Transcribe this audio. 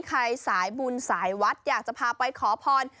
สายบุญสายวัดอยากจะพาไปขอพร